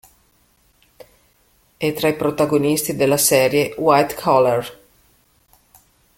È tra i protagonisti della serie "White Collar".